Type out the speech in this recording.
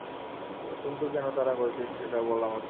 কিন্তু কেন তাড়া করেছিস সেটা বল আমাকে?